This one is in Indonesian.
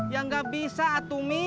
ya gak bisa atu mi